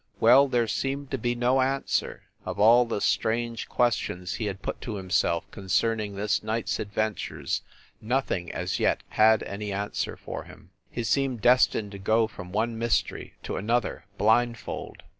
Well, there seemed to be no answer of all the strange questions he had put to himself con cerning this night s adventures nothing as yet had any answer for him. He seemed destined to go from one mystery to another blindfold.